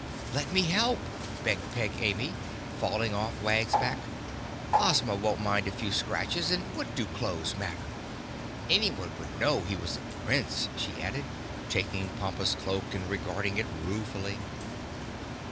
"Let me help," begged Peg Amy, falling off Wag's back. "Ozma won't mind a few scratches and what do clothes matter? Anyone would know he was a Prince," she added, taking Pompa's cloak and regarding it ruefully.